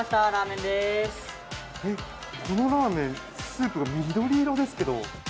このラーメン、スープが緑色ですけど？